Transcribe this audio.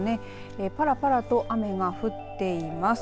ぱらぱらと雨が降っています。